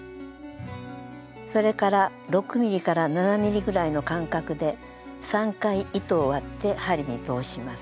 それから６ｍｍから７ｍｍぐらいの間隔で３回糸を割って針に通します。